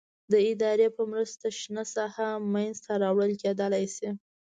د ادارې په مرسته شنه ساحه منځته راوړل کېدلای شي.